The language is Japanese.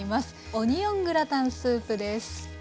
オニオングラタンスープです。